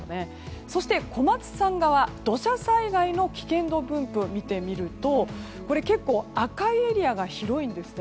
そして、土砂災害の危険度分布を見てみると赤いエリアが多いんですよね。